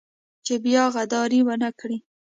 چې بيا غداري ونه کړي.